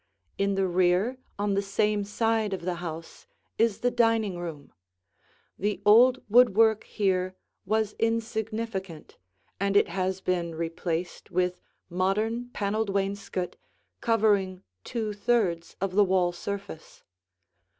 In the rear, on the same side of the house, is the dining room. The old woodwork here was insignificant, and it has been replaced with modern paneled wainscot covering two thirds of the wall surface.